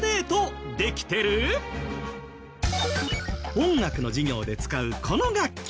音楽の授業で使うこの楽器。